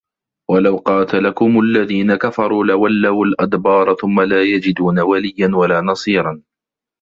وَلَو قاتَلَكُمُ الَّذينَ كَفَروا لَوَلَّوُا الأَدبارَ ثُمَّ لا يَجِدونَ وَلِيًّا وَلا نَصيرًا